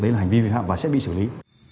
đấy là hành vi vi phạm và sẽ bị xử lý